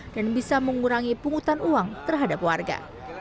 dan bisa mengurangi penghutang uang terhadap warga